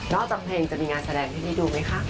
จากเพลงจะมีงานแสดงที่นี่ดูไหมคะ